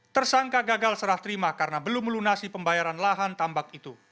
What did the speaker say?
tersangka gagal serah terima karena belum melunasi pembayaran lahan tambak itu